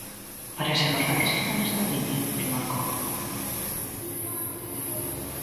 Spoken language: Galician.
"Parécenos ben que siga nesta liña", remarcou.